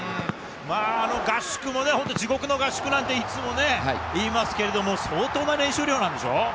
あの合宿も地獄の合宿なんていつも言いますけれども、相当な練習量なんでしょ？